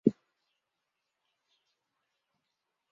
该寺是明朝正统年间敕建。